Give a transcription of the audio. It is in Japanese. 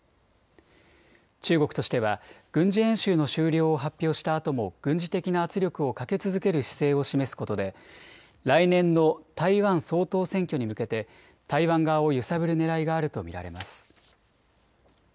中国としては軍事演習の終了を発表したあとも軍事的な圧力をかけ続ける姿勢を示すことで来年の台湾総統選挙に向けて台湾側を揺さぶるねらいがあると見られます。